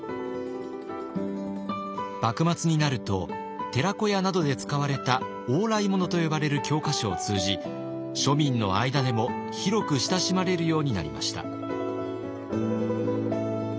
幕末になると寺子屋などで使われた「往来物」と呼ばれる教科書を通じ庶民の間でも広く親しまれるようになりました。